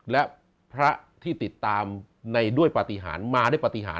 และพระที่ติดตามในด้วยปฏิหารมาด้วยปฏิหาร